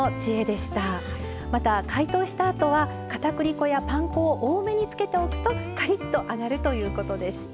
また、解凍したあとはかたくり粉やパン粉を多めにつけておくとカリッと揚がるということでした。